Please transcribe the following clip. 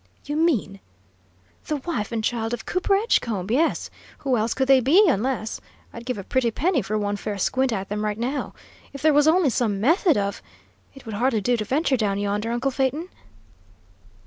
"You mean " "The wife and child of Cooper Edgecombe, yes! Who else could they be, unless I'd give a pretty penny for one fair squint at them, right now! If there was only some method of It would hardly do to venture down yonder, uncle Phaeton?"